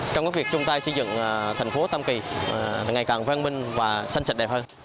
trong việc chúng ta xây dựng thành phố tam kỳ ngày càng văn minh và xanh sạch đẹp hơn